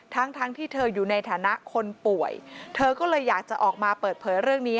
ทั้งทั้งที่เธออยู่ในฐานะคนป่วยเธอก็เลยอยากจะออกมาเปิดเผยเรื่องนี้